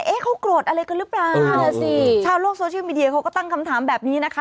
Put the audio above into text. เขาโกรธอะไรกันหรือเปล่านั่นแหละสิชาวโลกโซเชียลมีเดียเขาก็ตั้งคำถามแบบนี้นะคะ